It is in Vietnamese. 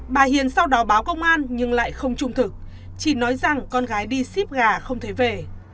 bà hiền sau đó báo công an nhưng lại không trung thực chỉ nói rằng con gái đi ship gà không thấy về